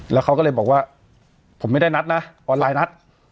แล้วเขาก็เลยบอกว่าผมไม่ได้นัดนะออนไลน์นัด